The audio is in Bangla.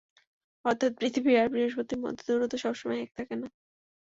অর্থাৎ পৃথিবী আর বৃহঃস্পতির মধ্যে দূরত্ব সবসময় এক থাকে না।